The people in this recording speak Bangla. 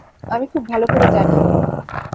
আমি খুব ভালো করে জানি।